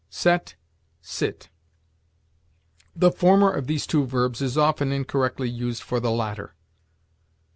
SET SIT. The former of these two verbs is often incorrectly used for the latter.